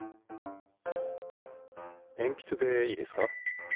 えんぴつでいいですか。